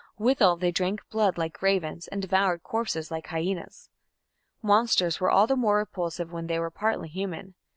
Withal they drank blood like ravens and devoured corpses like hyaenas. Monsters were all the more repulsive when they were partly human.